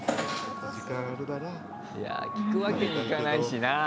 いや、聞くわけにいかないしなぁ。